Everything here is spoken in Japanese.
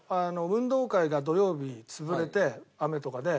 運動会が土曜日潰れて雨とかで。